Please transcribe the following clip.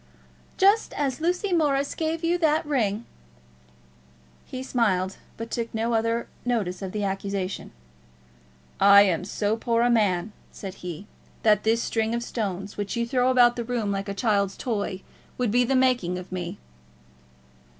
"Just as Lucy Morris gave you that ring." He smiled, but took no other notice of the accusation. "I am so poor a man," said he, "that this string of stones, which you throw about the room like a child's toy, would be the making of me."